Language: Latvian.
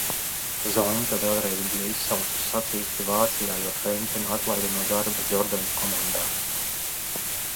Zonta vēlreiz bija izsaukts uz sacīksti Vācijā, jo Frencenu atlaida no darba Jordan komandā.